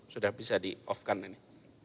sudah bisa di off kan ini